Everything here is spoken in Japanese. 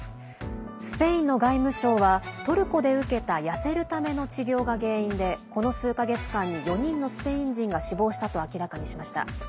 スペインの外務省はトルコで受けた痩せるための治療が原因でこの数か月間に４人のスペイン人が死亡したと明らかにしました。